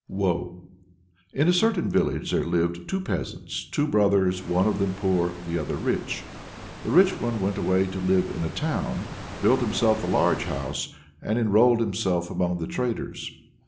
WOE. In a certain village there lived two peasants, two brothers: one of them poor, the other rich. The rich one went away to live in a town, built himself a large house, and enrolled himself among the traders.